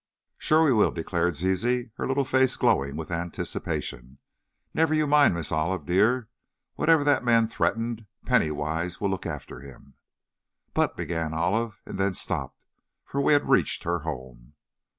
"Sure we will!" declared Zizi, her little face glowing with anticipation. "Never you mind. Miss Olive, dear; whatever that man threatened, Penny Wise will look after him." "But " began Olive, and then stopped, for we had reached her home.